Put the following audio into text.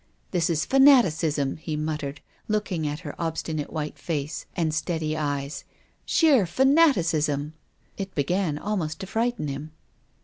"This is fanaticism," he muttered, looking at her obstinate white face, and steady eyes. " Sheer fanaticism." It began almost to frighten him.